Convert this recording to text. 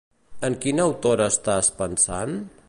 En quina autora estàs pensant?